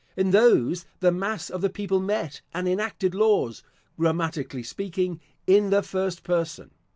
In those the mass of the people met and enacted laws (grammatically speaking) in the first person.